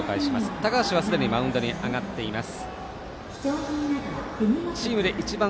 高橋はすでにマウンドに上がっています。